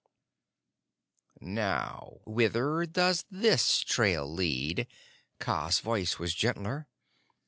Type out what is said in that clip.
"Now, whither does this trail lead?" Kaa's voice was gentler.